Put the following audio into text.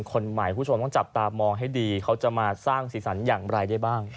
คนใหม่คุณผู้ชมต้องจับตามองให้ดีเขาจะมาสร้างสีสันอย่างไรได้บ้าง